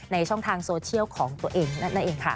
ช่องทางโซเชียลของตัวเองนั่นเองค่ะ